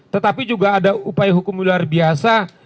tetapi juga ada upaya hukum luar biasa